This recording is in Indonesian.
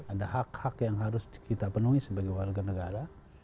ada hak hak yang harus kita penuhi sebagai warga negara